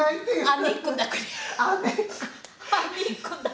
姉っこだ。